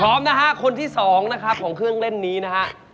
พร้อมนะฮะคนที่สองนะครับของเครื่องเล่นนี้นะฮะ